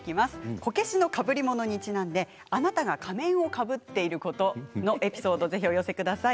こけしのかぶりものにちなんであなたが仮面をかぶっていることのエピソードをお寄せください。